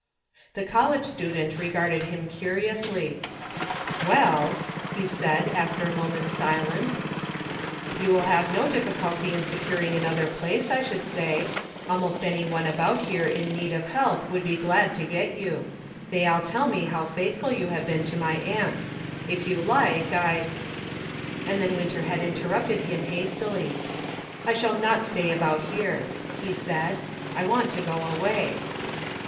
The college student regarded him curiously. " Well," he said, after a moment's silence, " you will have no difficulty in securing another place, I should say ; almost any one about here in need of help would be glad to get you ; they all tell me how faithful you have been to my aunt. If you like, I "— And then Winter had interrupted him hastily. " I shall not stay about here," he said ;" I want to go away."